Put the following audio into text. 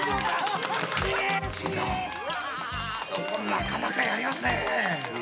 なかなかやりますねえ。